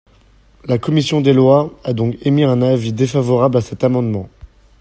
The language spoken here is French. La commission des lois a donc émis un avis défavorable à cet amendement.